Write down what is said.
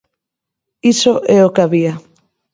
Iso é o que había.